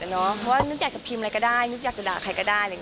เพราะว่านึกอยากจะพิมพ์อะไรก็ได้นึกอยากจะด่าใครก็ได้